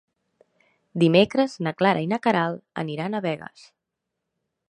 Dimecres na Clara i na Queralt aniran a Begues.